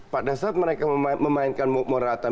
pada saat mereka memainkan morata